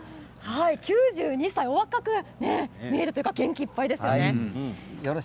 ９２歳、お若く見えるというか元気いっぱいですね。